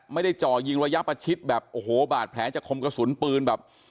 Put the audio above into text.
จ่อยิงระยะประชิดแบบโอ้โหบาดแผลจากคมกระสุนปืนแบบ